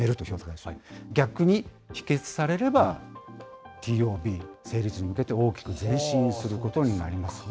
逆に否決されれば、ＴＯＢ成立に向けて大きく前進することになりますね。